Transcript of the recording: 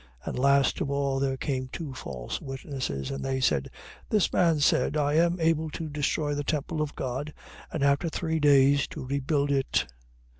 And last of all there came two false witnesses: 26:61. And they said: This man said, I am able to destroy the temple of God and after three days to rebuild it.